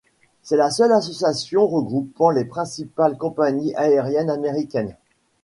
C'est la seule association regroupant les principales compagnies aériennes américaines.